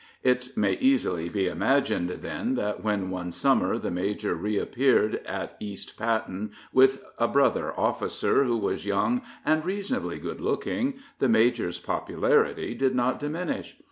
It may easily be imagined, then, that when one Summer the major reappeared at East Patten with a brother officer who was young and reasonably good looking, the major's popularity did not diminish.